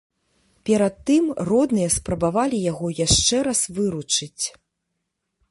Перад тым родныя спрабавалі яго яшчэ раз выручыць.